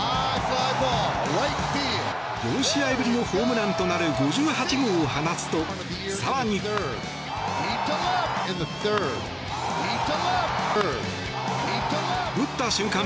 ４試合ぶりのホームランとなる５８号を放つと、更に。打った瞬間